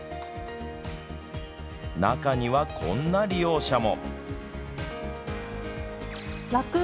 中にはこんな利用者も。